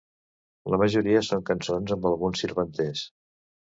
La majoria són cançons, amb algun sirventès.